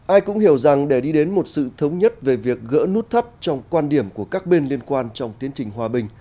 ai cũng hiểu rằng để đi đến một sự thống nhất về việc gỡ nút thắt trong quan điểm của các bên liên quan trong tiến trình hòa bình